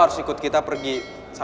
eh serius ya